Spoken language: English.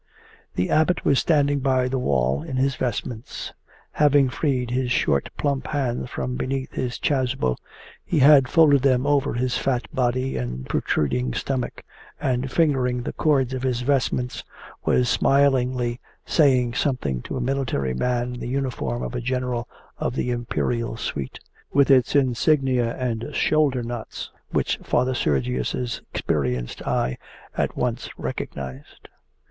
The Abbot was standing by the wall in his vestments. Having freed his short plump hands from beneath his chasuble he had folded them over his fat body and protruding stomach, and fingering the cords of his vestments was smilingly saying something to a military man in the uniform of a general of the Imperial suite, with its insignia and shoulder knots which Father Sergius's experienced eye at once recognized.